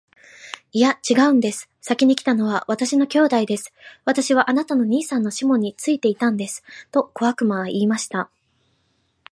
「いや、ちがうんです。先来たのは私の兄弟です。私はあなたの兄さんのシモンについていたんです。」と小悪魔は言いました。